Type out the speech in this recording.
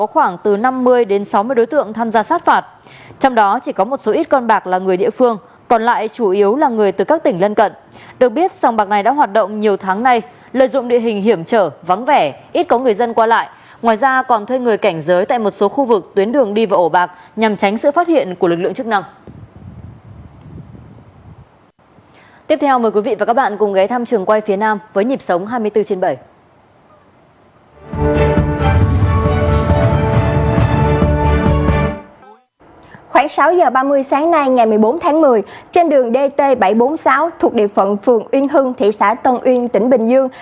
khoảng sáu h ba mươi sáng nay ngày một mươi bốn tháng một mươi trên đường dt bảy trăm bốn mươi sáu thuộc địa phận phường uyên hưng thị xã tân uyên tỉnh bình dương